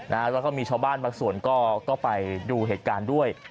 แล้วก็มีชาวบ้านบางส่วนก็ไปดูเหตุการณ์ด้วย